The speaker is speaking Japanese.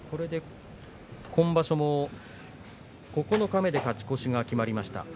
これで今場所も九日目で勝ち越しが決まりました。